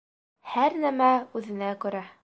Һәр нәмә үҙенә күрә.